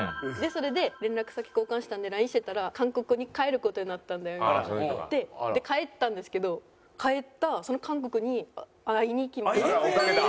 それで連絡先交換したんでＬＩＮＥしてたら「韓国に帰る事になったんだよ」みたいな。で帰ったんですけど帰ったその韓国に会いに行きました。